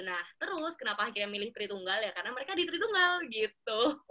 nah terus kenapa akhirnya milih tri tunggal ya karena mereka di tri tunggal gitu